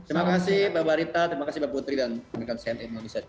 terima kasih mbak rita terima kasih mbak putri dan mereka sehat indonesia